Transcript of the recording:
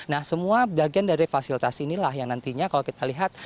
nah semua bagian dari fasilitas inilah yang nantinya kalau kita lihat